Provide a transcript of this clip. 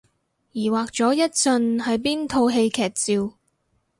疑惑咗一陣係邊套戲劇照